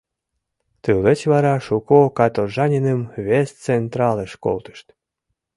Тылеч вара шуко каторжаниным вес централыш колтышт.